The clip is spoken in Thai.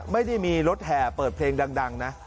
ไม่ได้มีรถแห่เปิดเพลงดังนะ